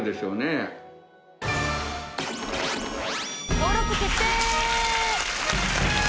登録決定！